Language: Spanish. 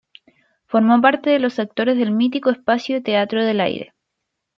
Formó parte de los actores del mítico espacio "Teatro del aire".